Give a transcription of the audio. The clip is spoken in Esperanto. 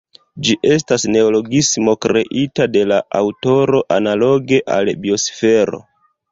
Ĝi estas neologismo kreita de la aŭtoro analoge al "biosfero".